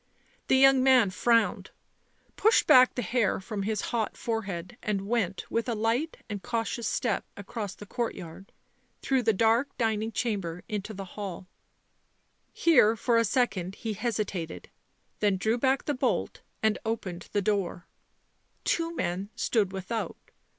The young man frowned, pushed back the hair from his hot fore head and went, with a light and cautious step, across the courtyard, through the dark dining chamber into the hall. Here for a second he hesitated, then drew back the bolt and opened the door. Two men stood without.